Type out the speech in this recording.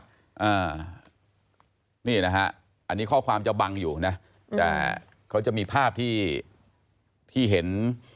อ่านี่นะฮะอันนี้ข้อความจะบังอยู่นะแต่เขาจะมีภาพที่ที่เห็น